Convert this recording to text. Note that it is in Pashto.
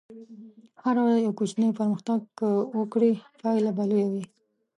هره ورځ یو کوچنی پرمختګ که وکړې، پایله به لویه وي.